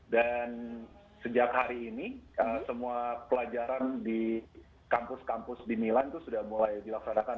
dan sejak hari ini semua pelajaran di kampus kampus di milan itu sudah mulai dilaksanakan